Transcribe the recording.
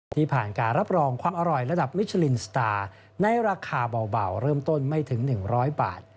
ที่ผ่านการรับรองความอร่อยระดับมิชลินสตาร์ในราคาเบาเริ่มต้นไม่ถึง๑๐๐บาท